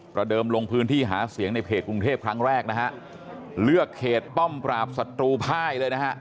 ประเดิมลงพื้นที่หาเสียงในเพจกรุงเทพครั้งแรกเลือกเขตป้อมปราบศัตรูภาย